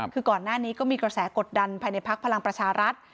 คือก่อนหน้านี้ก็มีกระแสกดดันภายในพักพลังประชารัฐ